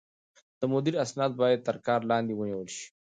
د مدير اسناد بايد تر کار لاندې ونيول شي.